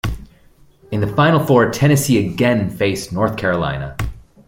In the Final Four, Tennessee again faced North Carolina.